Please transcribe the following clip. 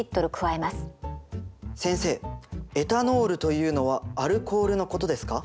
先生エタノールというのはアルコールのことですか？